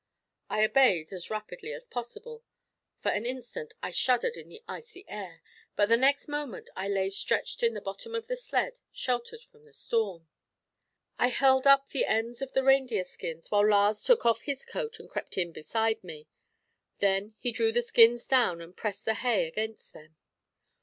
I obeyed as rapidly as possible. For an instant I shuddered in the icy air; but the next moment I lay stretched in the bottom of the sled, sheltered from the storm. I held up the ends of the reindeer skins while Lars took off his coat and crept in beside me. Then he drew the skins down and pressed the hay against them.